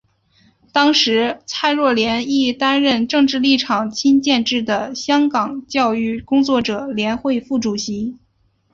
当时蔡若莲亦担任政治立场亲建制的香港教育工作者联会副主席。